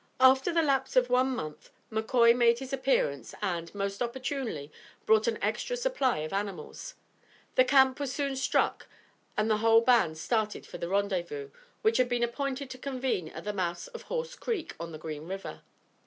After the lapse of one month McCoy made his appearance and, most opportunely, brought an extra supply of animals. The camp was soon struck and the whole band started for the rendezvous, which had been appointed to convene at the mouth of Horse Creek on the Green River.